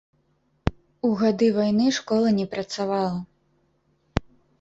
У гады вайны школа не працавала.